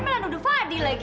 malah nuduh fadil lagi